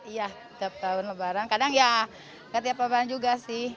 iya tiap tahun lebaran kadang ya gak tiap lebaran juga sih